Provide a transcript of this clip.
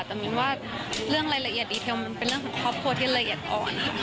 แต่มินว่าเรื่องรายละเอียดดีเทลมันเป็นเรื่องของครอบครัวที่ละเอียดอ่อน